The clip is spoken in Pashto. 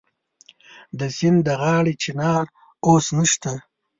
د سیند د غاړې چنار اوس نشته